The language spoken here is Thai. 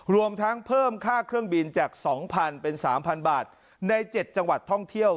รวมทั้งเพิ่มค่าเครื่องบินจาก๒๐๐เป็น๓๐๐บาทใน๗จังหวัดท่องเที่ยว